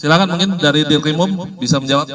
silahkan mungkin dari dirimum bisa menjawab